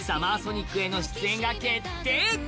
ＳＵＭＭＥＲＳＯＮＩＣへの出演が決定！